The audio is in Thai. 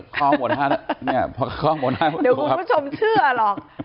ข้อหมวด๕ครับเดี๋ยวคุณผู้ชมเชื่อหรอก